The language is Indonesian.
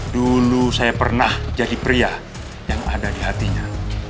dulu saya pernah jadi pria yang ada di hatinya